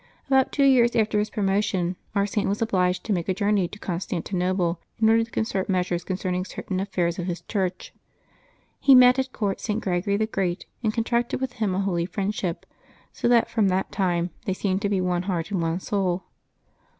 About tw^o years after his promotion our Saint was obliged to make a journey to Constantinople, in order to concert measures concerning certain affairs of his Church. He met at court St. Gregory the Great, and con tracted with him a holy friendship, so that from that time they seemed to be one heart and one soul.